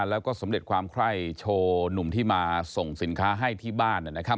แล้วก็สำเร็จความไคร้โชว์หนุ่มที่มาส่งสินค้าให้ที่บ้านนะครับ